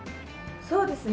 そうですね。